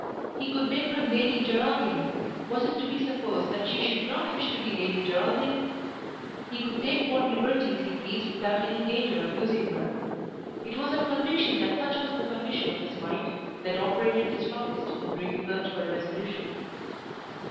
He could make her Lady Geraldine! Was it to be supposed that she should not wish to be Lady Geraldine? He could take what liberties he pleased without any danger of losing her! It was her conviction that such was the condition of his mind that operated the strongest in bringing her to her resolution.